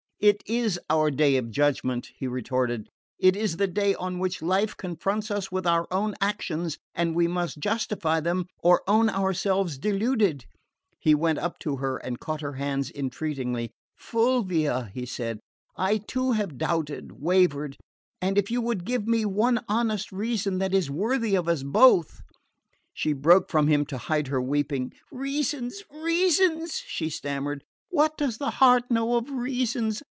"It IS our day of judgment," he retorted. "It is the day on which life confronts us with our own actions, and we must justify them or own ourselves deluded." He went up to her and caught her hands entreatingly. "Fulvia," he said, "I too have doubted, wavered and if you will give me one honest reason that is worthy of us both " She broke from him to hide her weeping. "Reasons! reasons!" she stammered. "What does the heart know of reasons?